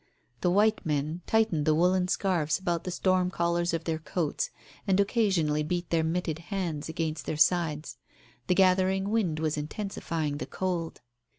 The white men tightened the woollen scarves about the storm collars of their coats, and occasionally beat their mitted hands against their sides. The gathering wind was intensifying the cold.